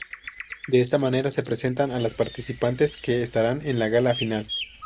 De esta manera, se presentan a las participantes que estarán en la Gala final.